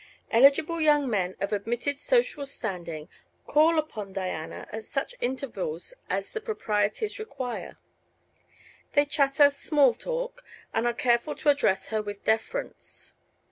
Eligible young men of admitted social standing call upon Diana at such intervals as the proprieties require. They chatter "small talk" and are careful to address her with deference.